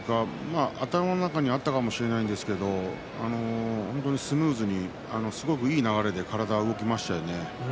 考えたというか頭の中にあったかもしれないんですけれど本当にスムーズにすごくいい流れで体が動きましたね。